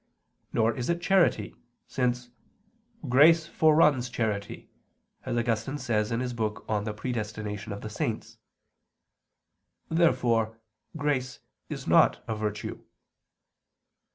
Nor is it charity, since "grace foreruns charity," as Augustine says in his book on the Predestination of the Saints (De Dono Persev. xvi). Therefore grace is not virtue.